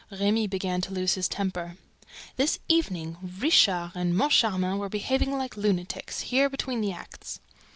Remy began to lose his temper. "This evening, Richard and Moncharmin were behaving like lunatics, here, between the acts."